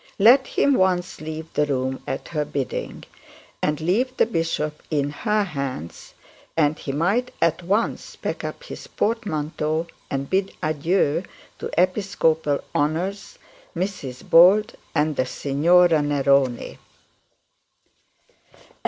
Let him once leave the room at her bidding, and leave the bishop in her hands, and he might at once pack up his portmanteau and bid adieu to episcopal honours, Mrs Bold, and the Signora Neroni.